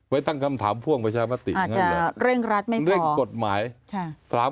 ไว้ตั้งคำถามพ่วงประชามาติกันเลยเร่งกฎหมายอาจจะเร่งรัดไม่พอ